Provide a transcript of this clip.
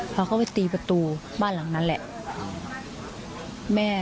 พอเขาไปตีประตูบ้านหลังนั้นแหละ